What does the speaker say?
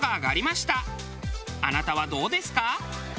あなたはどうですか？